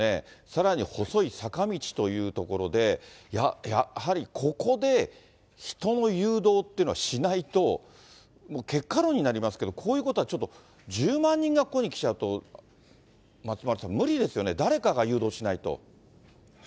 さらに細い坂道という所で、やはりここで人の誘導ってのはしないと、結果論になりますけど、こういうことはちょっと、１０万人がここに来ちゃうと、松丸さん、無理ですよね、誰かが誘導しないと。